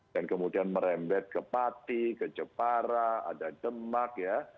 dan kemudian merembet ke pati ke jepara ada demak ya